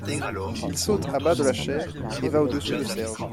Il saute à bas de la chaire et va au-dessous de Serge.